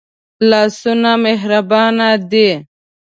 لاسونه مهربان دي